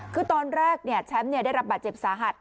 คือตอนแรกเนี่ยแชมป์เนี่ยได้รับบาดเจ็บสาหัส